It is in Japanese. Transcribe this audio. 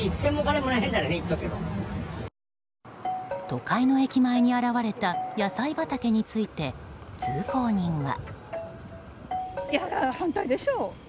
都会の駅前に現れた野菜畑について通行人は。